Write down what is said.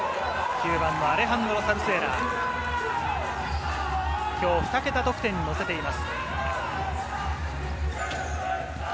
９番のアレハンドロ・サルスエラ、今日２桁得点にのせています。